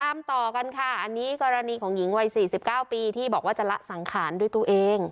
ตามต่อกันค่ะอันนี้กรณีของหญิงวัย๔๙ปีที่บอกว่าจะละสังขารด้วยตัวเอง